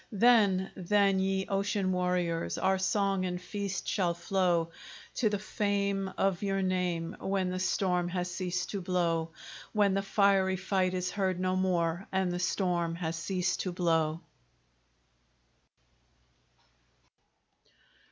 Then, then, ye ocean warriors! Our song and feast shall flow To the fame of your name, When the storm has ceased to blow; When the fiery fight is heard no more, And the storm has ceased to blow.